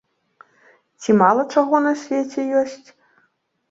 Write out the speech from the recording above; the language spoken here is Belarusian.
Ці мала чаго на свеце ёсць!